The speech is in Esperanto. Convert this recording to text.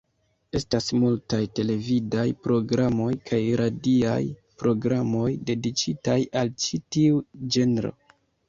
Estas multaj televidaj programoj kaj radiaj programoj dediĉitaj al ĉi tiu ĝenro.